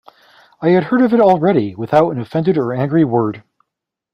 I had heard of it already without an offended or angry word.